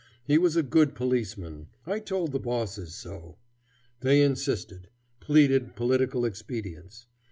He was a good policeman. I told the bosses so. They insisted; pleaded political expedience.